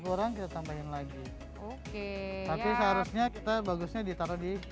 kurang tetap akan lagi oke tak bisa harusnya kita bagusnya ditaruh di